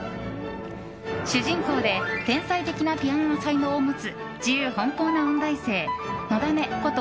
主人公で天才的なピアノの才能を持つ自由奔放な音大生のだめこと